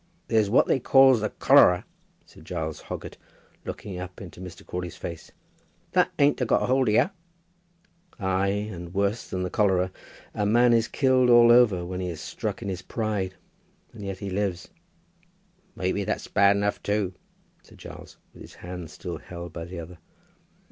"There's what they calls the collerer," said Giles Hoggett, looking up into Mr. Crawley's face. "That ain't a got a hold of yer?" "Ay, and worse than the cholera. A man is killed all over when he is struck in his pride; and yet he lives." "Maybe that's bad enough too," said Giles, with his hand still held by the other.